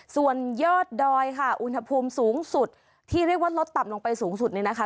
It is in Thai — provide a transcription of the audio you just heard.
ส่วนเยอะดอยนะคะอุณหภูมิสูงสุดที่เรียกว่ารถตับลงไปสูงสุดเลยนะคะ